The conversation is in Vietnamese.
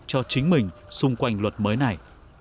cho chính mình xung quanh luật mới này